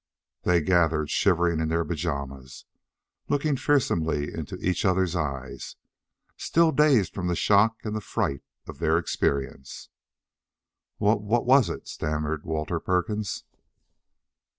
They gathered shivering in their pajamas, looking fearsomely into each others' eyes, still dazed from the shock and the fright of their experience. "Wha what was it?" stammered Walter Perkins.